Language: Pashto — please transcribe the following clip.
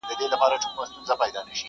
زه چي زلمی ومه کلونه مخکي،